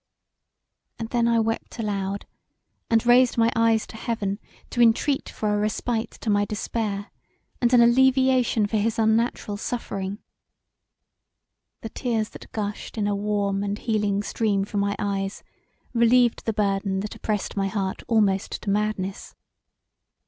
And then I wept aloud, and raised my eyes to heaven to entreat for a respite to my despair and an alleviation for his unnatural suffering the tears that gushed in a warm & healing stream from my eyes relieved the burthen that oppressed my heart almost to madness.